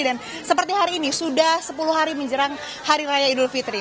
dan seperti hari ini sudah sepuluh hari menjelang hari raya idul fitri